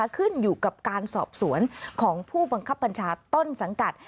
ขึ้นอยู่กับการสอบสวนของผู้บังคับบัญชาต้นสังกัด